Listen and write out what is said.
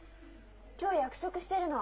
今日約束してるの。